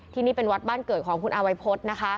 ที่นี่เป็นวัดบ้านเกิดของคุณอาวัยพฤษนะคะ